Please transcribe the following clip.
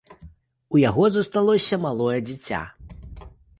У яго засталося малое дзіця.